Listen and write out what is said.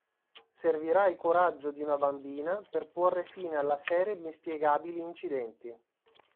Servirà il coraggio di una bambina per porre fine alla serie di inspiegabili incidenti.